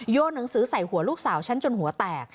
หนังสือใส่หัวลูกสาวฉันจนหัวแตก